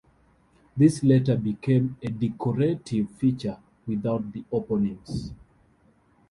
This later became a decorative feature, without the openings.